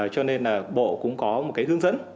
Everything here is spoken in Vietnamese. cho nên là bộ cũng có một cái hướng dẫn